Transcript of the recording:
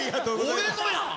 俺のや。